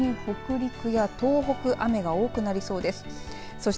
特に北陸や東北雨が多くなりそうです。